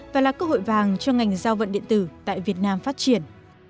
và là cơ hội vàng cho ngành giao vận điện tử tại việt nam phát triển